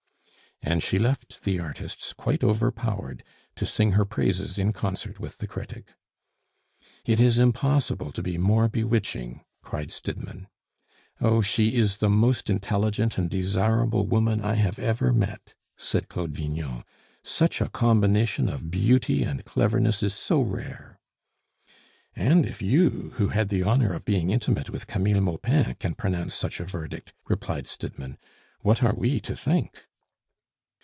And she left the artists quite overpowered, to sing her praises in concert with the critic. "It is impossible to be more bewitching!" cried Stidmann. "Oh! she is the most intelligent and desirable woman I have ever met," said Claude Vignon. "Such a combination of beauty and cleverness is so rare." "And if you who had the honor of being intimate with Camille Maupin can pronounce such a verdict," replied Stidmann, "what are we to think?"